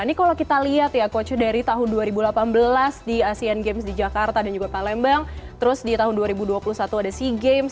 ini kalau kita lihat ya coach dari tahun dua ribu delapan belas di asean games di jakarta dan juga palembang terus di tahun dua ribu dua puluh satu ada sea games